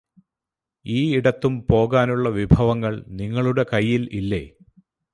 ഈ ഇടത്തും പോകാനുള്ള വിഭവങ്ങള് നിങ്ങളുടെ കയ്യില് ഇല്ലേ